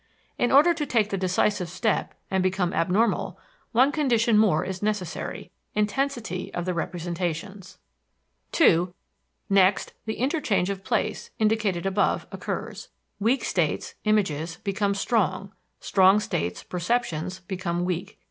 In order to take the decisive step and become abnormal one condition more is necessary intensity of the representations. 2. Next, the interchange of place, indicated above, occurs. Weak states (images) become strong; strong states (perceptions) become weak.